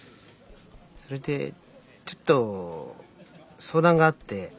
それでちょっと相談があって。